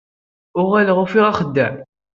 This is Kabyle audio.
Uɣaleɣ ufiɣ axeddim.